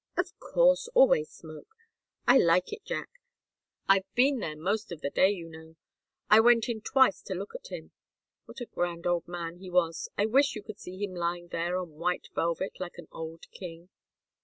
"Of course always smoke. I like it. Jack I've been there most of the day, you know. I went in twice to look at him. What a grand old man he was! I wish you could see him lying there on white velvet like an old king."